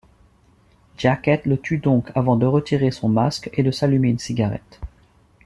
Jacket le tue donc avant de retirer son masque et de s'allumer une cigarette.